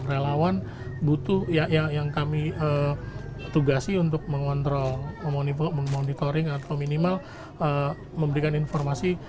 relawan butuh yang kami tugasi untuk mengontrol memonitoring atau minimal memberikan informasi